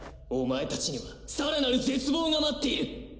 お前たちには更なる絶望が待っている！